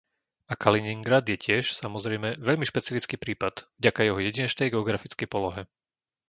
A Kaliningrad je tiež, samozrejme, veľmi špecifický prípad, vďaka jeho jedinečnej geografickej polohe.